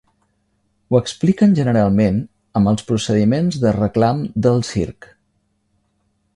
Ho expliquen generalment amb els procediments de reclam del circ.